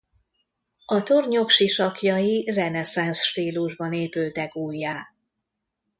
A tornyok sisakjai reneszánsz stílusban épültek újjá.